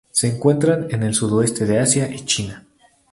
Se encuentran en el sudoeste de Asia y China.